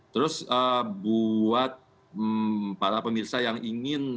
terus buat para pemirsa yang ingin